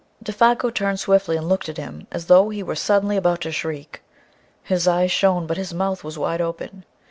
Défago turned swiftly and looked at him as though he were suddenly about to shriek. His eyes shone, but his mouth was wide open.